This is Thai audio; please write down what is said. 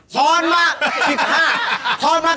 ท้อนมา๑๕ท้อนมา๙๘๕